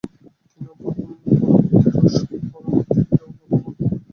তিনি অভ্যুত্থান-পরবর্তী রুশকরণ নীতি থেকে লাভবান হন।